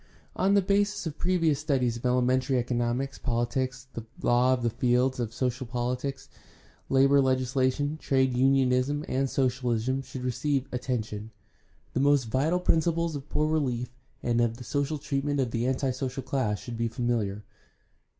On the basis of previous studies of elementary economics, pohtics, and law the fields of social pohtics, labor legislation, trade unionism, and socialism should receive attention. The most vital principles of poor relief and of the social treatment of the anti social class should be familiar.